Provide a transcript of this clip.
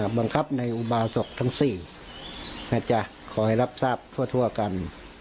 บังคับในอุบาศกทั้ง๔นะจ๊ะขอให้รับทราบทั่วกัน